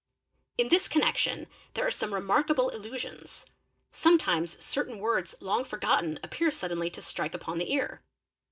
In this connection there are some remarkable illusions. Sonietimes certain words long forgotten appear suddenly to strike upon the ear.